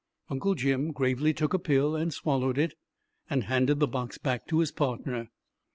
Uncle Jim gravely took a pill and swallowed it, and handed the box back to his partner.